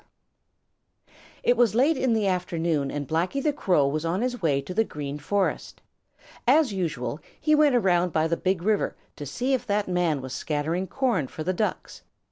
Blacky the Crow. It was late in the afternoon, and Blacky the Crow was on his way to the Green Forest. As usual, he went around by the Big River to see if that man was scattering corn for the Ducks.